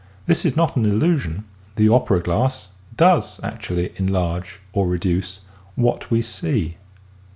This is not an illusion. The opera glass does actually enlarge or reduce what we see.